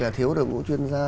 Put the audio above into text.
kể cả thiếu đội ngũ chuyên gia